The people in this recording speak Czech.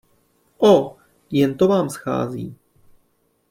Oh, jen to vám schází!